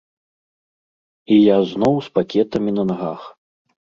І я зноў з пакетамі на нагах.